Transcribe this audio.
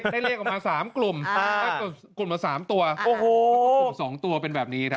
ได้เลขออกมา๓กลุ่ม๓ตัว๒ตัวเป็นแบบนี้ครับ